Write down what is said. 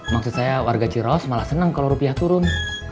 maksud saya warga ciraos malah seneng kalo rupiah turun